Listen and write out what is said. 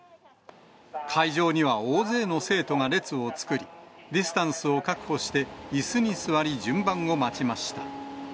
会場には大勢の生徒が列を作り、ディスタンスを確保していすに座り、順番を待ちました。